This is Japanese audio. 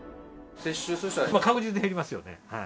確実に減りますよね。